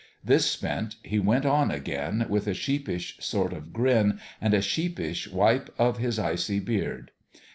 This spent, he went on again, with a sheepish sort of grin and a sheepish wipe of his icy beard.